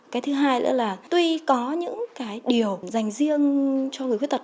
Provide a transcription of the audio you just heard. cái thứ hai nữa là tuy có những cái điều dành riêng cho người khuyết tật